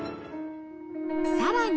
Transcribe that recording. さらに